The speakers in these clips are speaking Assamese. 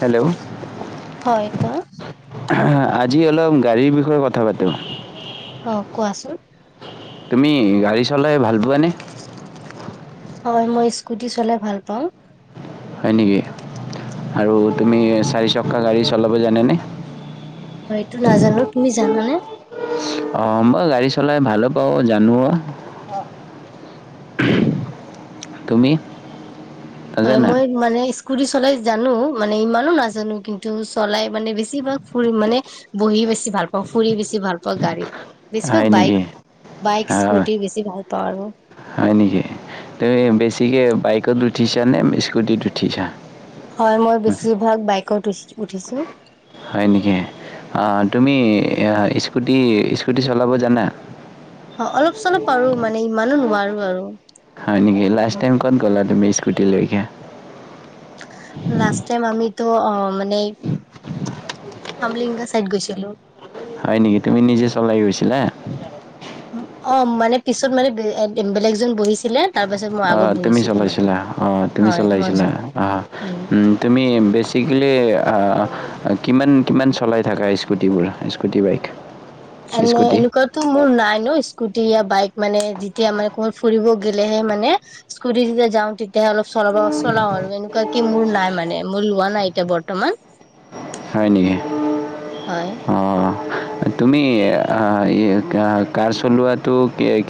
হেল্ল'। হয় কোৱা। আজি অলপ গাড়ীৰ বিষয়ে কথা পাতো। অ কোৱাচোন। তুমি গাড়ী চলাই ভাল পোৱানে? হয় মই স্কুটি চলাই ভাল পাওঁ। হয় নেকি আৰু তুমি চাৰি চকা গাড়ী চলাব জানেনে? অ এইটো নাজানো তুমি জানানে? অ মই গাড়ী চলাই ভাল পাওঁ জানোঅ। তুমি? হয় নাজানা মই মানে স্কুটি চলাই জানো মানে ইমানো নাজানো কিন্তু চলাই মানে বেছিভাগ ফুৰি মানে বহি বেছি ভাল পাওঁ ফুৰি বছি ভাল পাওঁ গাড়ীত। বেছিভাগ হয় বাইক নেকি বাইক হয় স্কুটি বেছি ভাল পাওঁ আৰু। হয় নেকি, তুমি বেছিকৈ বাইকত উঠিছা নে স্কুটিত উঠিছা? হয় মই বেছিভাগ বাইকত উ উঠিছো। হয় নেকি, অ তুমি স্কুটি স্কুটি চলাব জানা? অ অলপ চলপ পাৰো মানে ইমানো নোৱাৰো আৰু। হয় নেকি লাষ্ট টাইম ক'ত'গলা তুমি স্কুটিলৈকে লাষ্ট টাইম আমিতো অ মানে খামলিংগা চাইড গৈছিলো। হয় নেকি তুমি নিজে চলাই গৈছিলা? অ মানে পিছত মানে বে-বেলেগ এজন বহিছিলে। তাৰ পাছত মই আগত অহ তুমি বহিছিলো মানে। চলাইছিলা অ তুমি হয় মই চলাইছিলা চলে অ উম। তুমি বেছিকেলি অ কিমান কিমান চলাই থাকা স্কুটিবোৰ স্কুটি বাইক? উ [inaudible] এনেই এনেকুৱা, ত' মোৰ নাই ন স্কুটি বাইক মানে যেতিয়া মানে কবাত ফুৰিব গলেহে মানে, স্কুটি যেতিয়া যাওঁ, তেতিয়াহে অলপ চল চলাও আৰু এনেকুৱা কি মোৰ নাই মানে মোৰ লোৱা নাই এতিয়া বৰ্তমান। হয় নেকি। হয়। অঁ। তুমি কাৰ চলোৱাটো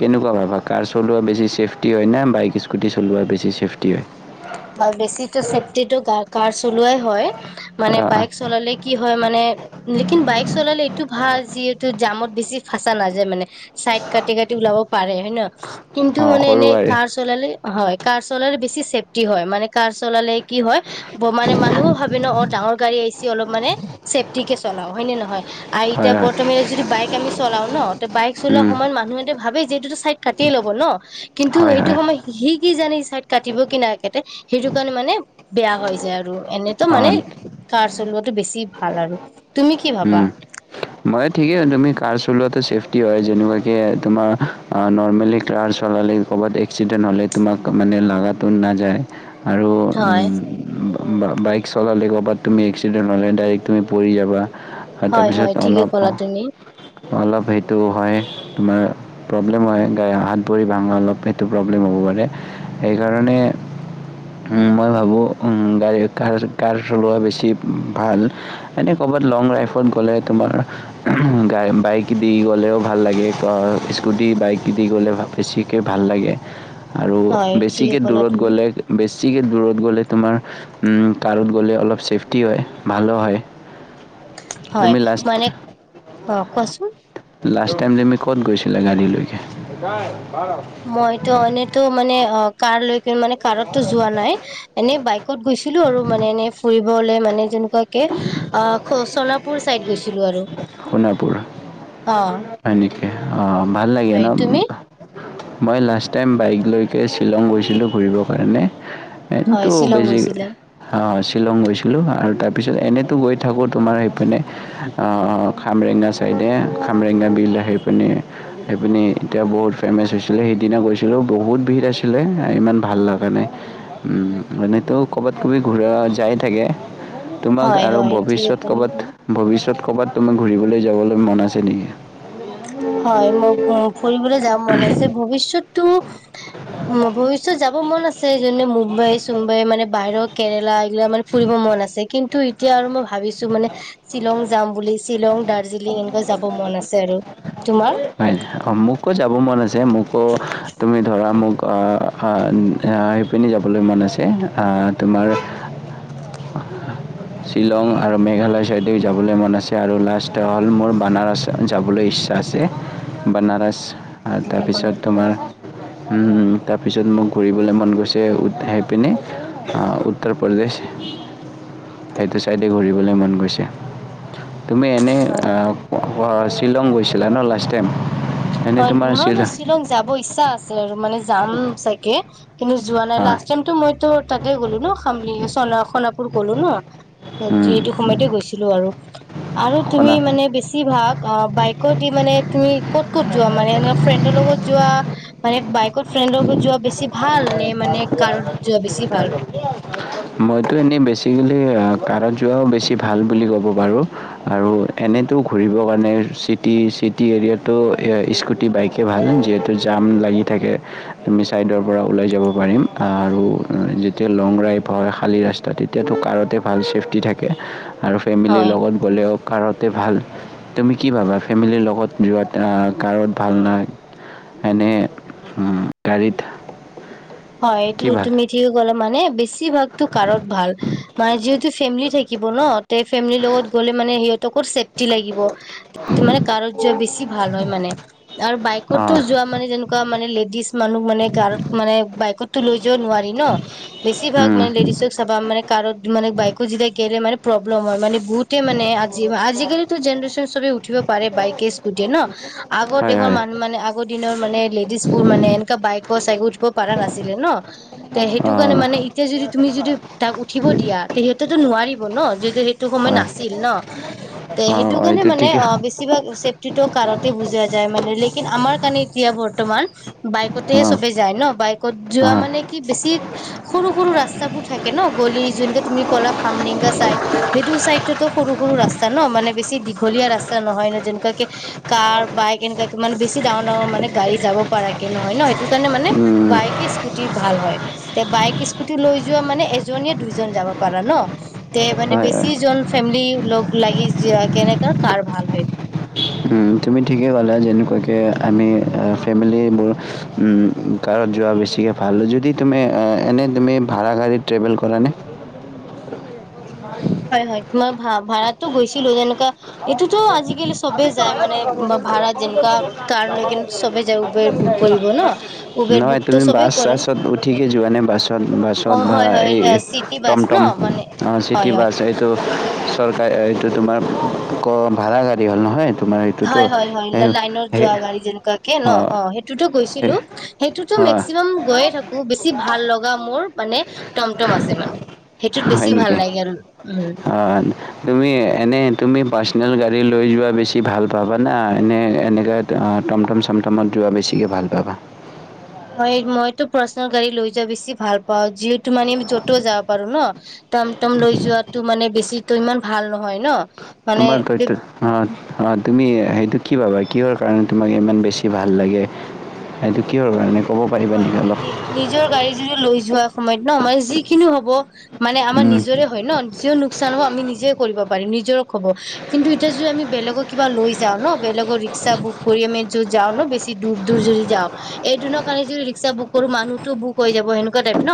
কেনেকুৱাভাবা। কাৰ চলোৱা বেছি ছেফটি হয় ন, বাইক স্কুটি চলোৱা বেছি চেফটি হয়। হয়, বেছিতো চেফটিটো কাৰ চলোৱাই হয়। মানে অ, বাইক চলালে কি হয় মানে। লেকিন বাইক চলালে এইটো ভাল। যিহেতু জামত বেছি ফাঁচা নাযায় মানে। চাইড কাটি কাটি ওলাব পাৰে হয় ন, কিন্তু অ, মানে সৰু এনেই গাড়ী কাৰ চলালে, হয় কাৰ চলালে বেছি চেফ টি হয়, মানে কাৰ চলালে কি হয়, মানে মানুহো ভাবে ন অ ডাঙৰ গাড়ী আহিছে অলপ মানে, ছেফটিকে চলাও হয়নে নহয়। আৰু হয় এতিয়া হয়। বৰ্তমানে যিটো বাইক আমি চলাও ন, তে বাইক চলোৱা উম, সময়ত মানুহঁতে ভাবে যিহেতু এইটো কাটিয়ে ল'ব ন। কিন্তু হয় সেইটো হয়। সময়ত সি কি জানি ছাইড কাটিব কি নাই। তে সেইটো কাৰণে মানে বেয়া হৈ যায় আৰু এনেইতো অ, মানে। কাৰ চলটো বেছি ভাল আৰু তুমি কি ভাবা? উম। মই ঠিকেই, তুমি কাৰ চলোৱাটো চেফটি হয় যেনেকুৱাকে তোমাৰ নৰ্মেলি কাৰ চলালে, ক'ৰবাত এক্সিডেণ্ট হ'লে তোমাক, মানে লাগাতো নাযায় আৰু হয়, উম বা বাইক চলালে ক'ৰবাত তুমি এক্সিডেণ্ট হ'লে, ডাইৰেক্ট তুমি পৰি যাবা আৰু হয়, তাৰপিছত হয় ঠিকে অলপ ক'লা তুমি অলপ সেইটো হয়, তোমাৰ প্ৰব্লেম হয় গাই হাত ভৰি ভাঙা অলপ সেইটো প্ৰব্লেম হ'ব পাৰে। সেইকাৰণে, মই ভাবোঁ, গাড়ী কাৰ কাৰ চলোৱা বেছি ভাল। এনেই ক'ৰবাত লং ড্ৰাইভত গ'লে, তোমাৰ গাই বাইক দি গ'লেও ভাল লাগে স্কুটি বাইক দি গ'লে ভাল। বেছিকে ভাল লাগে আৰু হয় ঠিকে বেছিকে ক'লা দূৰত তুমি গ'লে, বেছিকে দূৰত গ'লে তোমাৰ, কাৰত গ'লে অলপ ছেফটি হয়, ভালো হয়। হয়, তুমি লাষ্ট মানে অ কোৱাচোন। লাষ্ট টাইম তুমি ক'ত গৈছিলা গাড়ীলৈকে? মইতো এনেইতো মানে অ কাৰ লৈ কি মানে কাৰতো, যোৱা নাই এনে বাইকত গৈছিলো আৰু। মানে এনেই ফুৰিবলে মানে যেনেকুৱাকে, অ খ সোনাপুৰ চাইদ গৈছিলো আৰু। সোণাপুৰ অ হয় নেকি। অ ভাল লাগে ন। হয় তুমি মই লাষ্ট টাইম বাইকলৈকে শ্বিলং গৈছিলো ফুৰিব কাৰণে। হয় এনেতো শ্বিলং বেছিকে, গৈছিলা শ্বিলং গৈছিলোঁ আৰু তাৰপিছত এনেইতো গৈ থাকোঁ তোমাৰ সেইপিনে, খামৰেংঙা চাইডে খামৰেঙা বিলৰ সেইপিনে, সেইপিনি এতিয়া বহুত ফেমাচ হৈছিলে। সেইদিনা গৈছিলোঁ বহুত ভিত আছিলে ইমান ভাল লগা নাই। এনেতো ক'বাত ক'বাত ঘূৰা যায় থাকে। তোমাক হয় আৰু হয় ঠিকে ভৱিষ্যত ক'লা ক'ৰবাত তুমি ভৱিষ্যত ক'ৰবাত তুমি ঘূৰিবলৈ যাবলৈ মন আছে নেকি? হয় মই উ ফুৰিবলৈ যাম মন আছে ভৱিষ্যতটো, পিছত যাব মন আছে, এইজনে মুম্বাই-চুম্বাই মানে বাহিৰত। কেৰেলা এইগিলা মানে ফুৰিব মন আছে। কিন্তু এতিয়া আৰু মই ভাবিছো মানে শ্বিলং যাম বুলি শ্বিলং, দাৰ্জিলিং এনেকা যাব মন আছে আৰু। তোমাৰ? হয় অ মোকো যাব মন আছে, মোকো তুমি ধৰা মোক অ, এই পিনি যাবলৈ মন আছে, তোমাৰ [unintelligible] শ্বিলং আৰু মেঘালয় ছাইদে যাবলৈ মন আছে, আৰু লাষ্ট হ'ল মোৰ বানাৰস যাবলৈ ইচ্ছা আছে বনাৰস হয় হয় আৰু ঠিকে ক'লা তাৰপিছত তুমি তোমাৰ তাৰপিছত মোক ঘূৰিবলৈ মন গৈছে উধাই পিনে- উত্তৰ প্ৰদেশ সেইটো ছাইডে ঘূৰিবলৈ মন গৈছে। তুমি এনেই হয় শ্বিলং গৈছিলা ন লাষ্ট টাইম? এনেই হয়, তোমাৰ নহয় মই শ্বিলং যাব ইচ্ছা আছে আৰু মানে যাম চাগে। কিন্তু যোৱা নাই, হয়। লাষ্ট টাইমতো মই তাতে গ'লো ন খাম সোণাপুৰ গলো ন। উম। সেইটো সময়তে গৈছিলো আৰু, আৰু তুমি শুনা মানে বেছিভাগ অ বাইকত দি মানে তুমি ক'ত ক'ত যোৱা? মানে এনে ফ্ৰেডৰ লগত যোৱা- মানে বাইকত ফ্ৰেণ্ডৰ লগত যোৱা বেছি ভাল নে মানে কাৰত যোৱা বেছি ভাল? মইতো এনেই বেছিকলি কাৰত যোৱাও বেছি ভাল বুলি ক'ব পাৰোঁ। আৰু এনেতো ঘূৰিবৰ কাৰণে চিটি চিটি এৰিয়াতো স্কট বাইকে ভাল যিহেতু জাম লাগি থাকে। আমি ছাইডৰ পৰা ওলাই যাব পাৰিম, আৰু যেতিয়া লং ড্ৰাইভ ভ খালী ৰাস্তা তেতিয়াতো কাৰতে ভাল চেফটি থাকে আৰু ফেমিলিৰ হয় লগত গ'লেও কাৰতে ভাল। তুমি কি ভাবা ফেমিলিৰ লগত যোৱাত কাৰত ভাল না? এনে গাড়ীত হয় এইটো কি ভাল তুমি ঠিকে কলা মানে বেছিভাগতো কাৰত ভাল। মানে যিহেতু ফেমিলি থাকিব ন তে ফেমিলিৰ লগত গ'লে মানে সিহঁত তকো চেফটি লাগিব। টো মানে কাৰোত জোৱা বেছি ভাল হয় মানে আৰু বাইকোত অঁ যোৱা মানে যেনেকুৱা মানে লেডিজ মানুহ মানে গাৰত মানে বাইকতো লৈ যাব নোৱাৰি ন, বেছিভাগ উম, মানে লেডিজক চাবা মানে কাৰোত মানে বাইকো যেতিয়াই গেলে মানে প্ৰব্লেম হয়। মানে বহুতে মানে আজি আজিকালিতো জেনেৰেচন সবে উঠিব পাৰে বাইকে স্কুটিয়ে ন? আগৰ হয় দেশৰ হয় মানুহ মানে আগৰ দিনৰ মানে লেডিজ বোৰ মানে এনেকা বাইকৰ চাইক উঠিব পৰা নাছিলে ন? তে সেইটো কাৰণে অ' মানে এতিয়া যদি তুমি যদি তাক উঠিব দিয়া তে সিহঁতেটো নোৱাৰিব ন যে সেইটো সময় হয় নাছিল ন? [inaudible] তে সেইটো কাৰণে এইটো মানে ঠিকে অ বেছি কিবা চেফটিটো কাৰতে বুজা যায় মানে। লেকিন আমাৰ কাৰণে এতিয়া বৰ্তমান বাইকতে অ' চবে যায় ন, বাইকত যোৱা মানে কি বেছি সৰু সৰু ৰাস্তাবোৰ থাকে ন গলি, যোনটো তুমি ক'লা খামডেংগা চাইদ সেইটো চাইডতো সৰু-সৰু ৰাস্তা ন মানে বেছি দীঘলীয়া ৰাস্তা নহয় ন যেনেকুৱাকে কাৰ বাইক এনেকুৱাকে মানে বেছি ডাঙৰ ডাঙৰ মানে গাড়ী যাব পাৰকে নহয় ন, সেইটো কাৰণে মানে উম, বাইকে স্কুটি ভাল হয়। তে বাইক স্কুটি লৈ যোৱা মানে এজনীয়ে দুইজন যাব পাৰা ন। তে মানে হয় বেছি হয় জন ফেমিলি লগ লাগি য কেনেকা কাৰ ভাল হয়। উম, তুমি ঠিকেই ক'লা যেনেকুৱাকৈ আমি ফেমিলিবোৰ উম কাৰত যোৱা বেছিকৈ ভাল যদি তুমি এনেই তুমি ভাড়া গাড়ীত ট্ৰেভেল কৰা নে? হয় হয় মই ভা ভাড়াতো গৈছিলো যেনেকুৱা [unintelligible] [unintelligible] এইটোতো আজিকালি চবে যায় মানে ভাড়া যেনেকুৱা কাৰ লৈ কিনে চবে যায় উবেৰ বুক কৰিব ন উবেৰ নহয় বুকতো তুমি চবে বাছ কৰে। চাছত উঠিকে যোৱা নাই বাছত অ বাছত বা হয় হয় এই চিটি টম বাছ ন টম মানে অ চিটি হয় হয়। বাছ এই টো চৰকাৰ এইটো তোমাৰ ক ভাড়া গাড়ী হ'ল নহয়। তোমাৰ এইটোতো হয় হয় হয় সেই লাইনত যোৱা সেই গাড়ী যেনেকুৱাকে ন হয় অ সেইটোতো এ গৈছিলো। সেইটোতো হয় মেক্সিমাম গৈয়ে থাকো বেছি ভাল লগা মোৰ মানে টমটম আছে মানে। সেইটোত বেছি ভাল লাগে আৰু উম। অ। তুমি এনেই তুমি পাৰ্চনেল গাড়ী লৈ যোৱা বেছি ভাল পাবানা এনেই এনেকৈ টমটম চমটমত যোৱা বেছিকৈ ভাল পাবা? মই মইতো পাৰ্ছনেল গাড়ী লৈ যোৱা বেছি ভাল পাওঁ যিহেতু মানে যতেও যাব পাৰোঁ ন। টমটম লৈ যোৱাটো মানে বেছি ইমান ভাল নহয় ন। তোমাৰ অ মানে অ তুমি সেইটো কি ভাবা কিহৰ কাৰণে তোমাক ইমান বেছি ভাল লাগে? সেইটো কিহৰ কাৰণে ক'ব পাৰিবা হয় নেকি নি অলপ নি নিজৰ গাড়ী যদি লৈ যোৱা সময়ত ন আমাৰ যিখিনি হ'ব মানে আমাৰ উম, নিজৰে হয় ন। যিও লোকচান হ'ব আমি নিজে কৰিব পাৰিম নিজৰ হ'ব কিন্তু এতিয়া যদি আমি বেলেগক কিবা লৈ যাওঁ ন বেলেগৰ ৰিক্সা বুক কৰি আমি য যাওঁ ন বেছি দূৰ দূৰ যদি যাও এদিনক কাৰণে যদি ৰিক্সা বুক কৰোঁ মানুহটো বুক হৈ যাব সেনেকুৱা টাইপ ন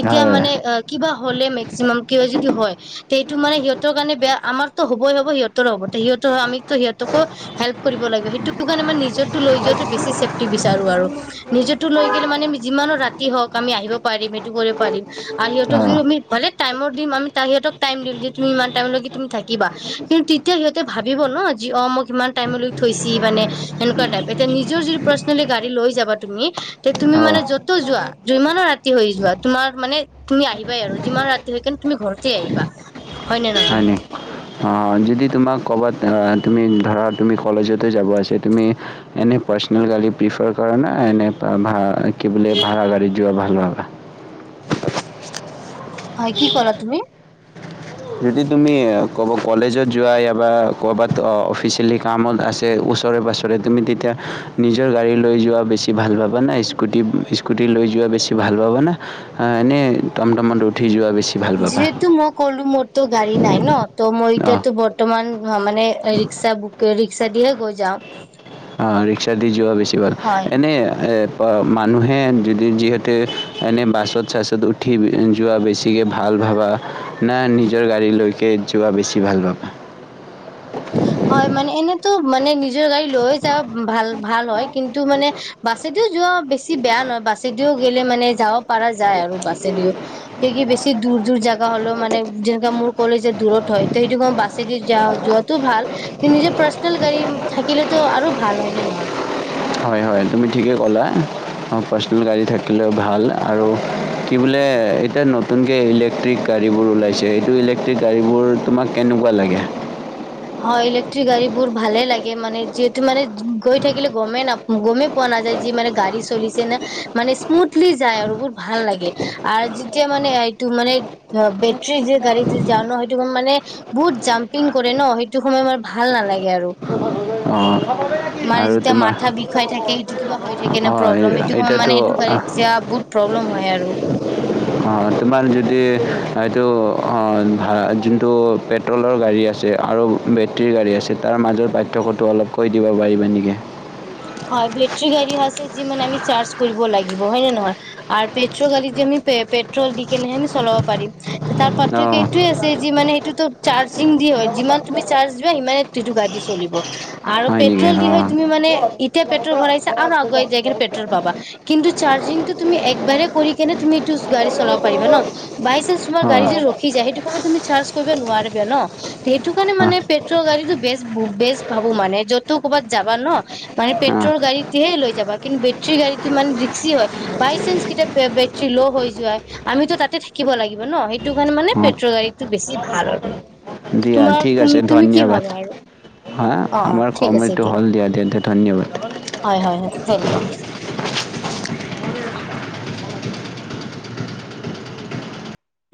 এতিয়া হয় হয় মানে আ কিবা হ'লে মেক্সিমাম কিবা যদি হয় ত সেইটো মানে সিহঁতৰ কাৰণে বেয়া আমাৰতো হ'বই হ'ব সিহঁতৰ হ'ব সিহঁতৰ আমিতো সিহঁতকো হেল্প কৰিব লাগিব সেইটো কাৰণে মই নিজৰটো লৈ যোৱাটো বেছি চেফটি বিচাৰোঁ আৰু। নিজোৰতো লৈ গলে মানে যিমানো ৰাতি হওঁক আমি আহিব পাৰিম সেইটো কৰিব পাৰিম। আৰু সিহঁতক যদি আমি মানে টাইমো দিম আমি সিহঁতক টাইম দিম যে তুমি ইমান টাইমলৈকে তুমি থাকিবা। কিন্তু তেতিয়া সিহঁতে ভাবিব ন যে অ মোক কিমান টাইমলৈ থৈছি মানে সেনেকুৱাটাইপ এতিয়া নিজৰ যিটো পাৰ্চনেলি গাড়ী লৈ যাবা তুমি তে তুমি অঁ অঁ মানে যতো যোৱা যিমানো ৰাতি হৈ যোৱা তোমাৰ মানে তুমি আহিবাই আৰু যিমান ৰাতি হৈ কিন্তু তুমি ঘৰতে আহিবা হয় নে নহয়? অহ যদি তোমাক ক'বাত তুমি ধৰা তুমি কলেজতে যাব আছে তুমি এনে পাৰ্চনেল গাড়ী প্ৰিফাৰ কৰা নে এনে ভ কি বোলে ভাড়া গাড়ী যোৱা ভাল পাবা? হয় কি ক'লা তুমি? যদি তুমি ক'ৰবাত কলেজত যোৱা ইয় বা ক'ৰবাত অফিচিয়েলি কামত আছে ওচৰে পা জৰে তুমি তেতিয়া নিজৰ গাড়ী লৈ যোৱা বেছি ভাল পাবা না স্কুটি স্কুটি লৈ যোৱা বেছি ভাল পাবা না এনেই টমটমত উঠি যোৱা বেছি ভাল পাবা যিহেতু মই ক'লো মোৰ তো গাড়ী নাই ন ত মই অঁ এতিয়াতো বৰ্তমান মানে ৰিক্সা বুক ৰিক্সা দিয়ে গৈ যাওঁ। অ', ৰিক্সা দি যোৱা বেছি ভাল হয় এনে এ মানুহে যদি যিহেতু এনেই বাছত চাছত উঠি যোৱা বেছিকৈ ভাল ভাবা না নিজৰ গাড়ীলৈকে যোৱা বেছি ভাল পাবা? হয় মানে এনেতো মানে নিজৰ গাড়ী লৈ যোৱা ভাল ভাল হয় কিন্তু মানে বাছেদিও যোৱা বেছি বেয়া নহয় বাছেদিও গেলে মানে যাব পৰাাৰা যায় আৰু বাছেদিও সেই কি বেছি দূৰ দূৰ জাগা হলেও মানে যেনেকা মোৰ কলেজ দূৰত হয় সেইটো মই বা চে দি যা যোৱাাতটো ভাল কিন্তু নিজৰ পাৰ্চনেল গাড়ী থাকিলেতো আৰু ভাল হয়নে নহয় হয় [unintelligible] হয় তুমি ঠিকেই ক'লা অঁ', পাৰ্চনেল গাড়ী থাকিলেও ভাল আৰু কি বোলে এতিয়া নতুনকে ইলে ইলে্ট্ৰিক গাড়ীবোৰ ওলাইছে সেইটো ইলেক্টিক গাড়ীবোৰ তোমাক কেনেকুৱা লাগে হয় ইলেক্ট্ৰিক গাড়ী বোৰ ভালে লাগে মানে যিহেতু মানে গৈ থাকিলে গমেই নাপ গমেই পোৱা নাযায় যি মানে গাড়ী চলিছে না মানে স্মুথলি যায় আৰু বহুত ভাল লাগে আৰু যেতিয়া মানে এইটো মানে বেটৰী যে গাড়ী যে যাও ন সেইটো মানে বহুত জাম্পিং কৰে ন' সেইটো সময় মোৰ ভাল নালাগে আৰু অ মানে যেতিয়া মাথা বিষুৱাই থাকে সেইটো কিবা হৈ থাকে নে অঁ প্ৰব্লেম সটো মানে সেইটো গাড়ীত এতিয়াতো যেতিয়া বহুত প্ৰব্লেম হয় আৰু অ', তোমাৰ যদি এইটো অ', যোনটো পেট পেট্ৰ'লৰ গাড়ী আছে আৰু বেটৰীৰ গাড়ী আছে তাৰ মাজৰ পাৰ্থক্যটো অলপ কৈ দিব পাৰিবা নেকি হয় বেটৰী গাড়ী আছে যি মানে আমি চাৰ্জ কৰিব লাগিব হয় নে নহয় আৰু পেট্ৰল গাড়ী যে আম পেট্ৰল দি কেনেহে আমি চলাব পাৰিম তাৰ পাৰ্থক্য অঁ এইটোয়ে আছে যি মানে সেইটোতো চাৰ্জিং দি হয় যিমান তুমি চাৰ্জ দিবা সিমানেই সটো গাড়ী চলিব আৰু হয় নেকি পেট্ৰল দি অঁ হৈ তুমি মানে এতিয়া পেট্ৰল ভৰাইছা আৰু আগুৱাই যায় কিনে পেট্ৰল পাবা কিন্তু চাৰ্জিংটো তুমি একবাৰে কৰি কিনে তুমি এইটো গাড়ী চলাব পাৰিবা ন' বাই চান্স তোমাৰ অঁ গাড়ী যে ৰখি যায় সেইটো সময় তুমি চাৰ্জ কৰিব নোৱাৰিবা ন' সেইটো কাৰণে মানে অঁ পেট্ৰল গাড়ীটো বে বেছ ভাবো মানে য'ত ক'ৰবাত যাবা ন' মানে অঁ পেট্ৰল গাড়ীতেহে লৈ যাবা কিন্তু বেটৰী গাড়ীটো মানে ৰিক্সি হয় বাই চান্স কেতিয়াবা বেটৰী ল' হৈ যোৱা আমিতো তাতে থাকিব লাগিব ন সেইটো কাৰণে মানে অঁ পেট্ৰল গাড়ীতটো বেছি ভাল আৰু দিয়া তোমাৰ ঠিক আছে তুমি তুমি কি ধন্যবাদ ভাবা আৰু হা অ অ আমাৰ ঠিক আছে সময়টো হ'ল দিয়া দিয়া দিয় ধন্যবা হয় হয় হয় ৱেলকাম